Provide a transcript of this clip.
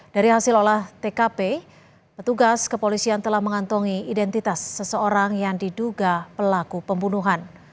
dari hasil olah tkp petugas kepolisian telah mengantongi identitas seseorang yang diduga pelaku pembunuhan